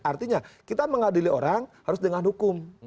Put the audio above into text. artinya kita mengadili orang harus dengan hukum